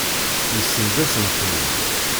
Yessenz-asen-ten-id.